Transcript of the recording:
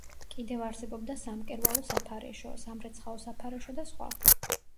კიდევ არსებობდა სამკერვალო საფარეშო, სამრეცხაო საფარეშო და სხვა.